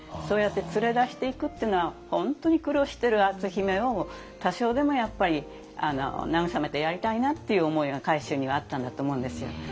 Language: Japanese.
そうやって連れ出していくっていうのは本当に苦労してる篤姫を多少でもやっぱり慰めてやりたいなっていう思いが海舟にはあったんだと思うんですよ。